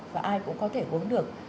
và ai cũng có thể uống được